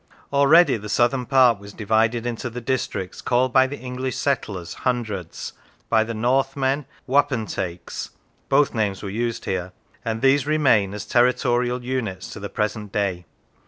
Already the southern part was divided into the dis tricts called by the English settlers hundreds, by the Northmen wapentakes (both names were used here), and these remain as territorial units to the present day.